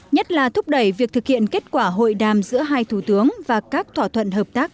nhất là thúc đẩy việc thực hiện kết quả hội đàm giữa hai thủ tướng và các thỏa thuận hợp tác